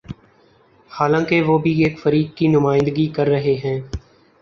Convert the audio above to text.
حالانکہ وہ بھی ایک فریق کی نمائندگی کر رہے ہیں۔